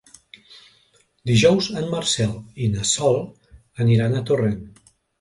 Dijous en Marcel i na Sol aniran a Torrent.